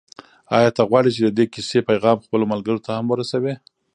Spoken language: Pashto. آیا ته غواړې چې د دې کیسې پیغام خپلو ملګرو ته هم ورسوې؟